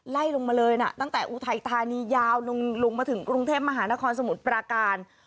ไล่ลงมาเลยนะตั้งแต่อุทัยธานียาวลงมาถึงกรุงเทพมหานครสมุทรปราการ